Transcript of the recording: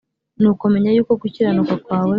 Nuko menya yuko gukiranuka kwawe